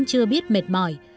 chưa biết mệt mỏi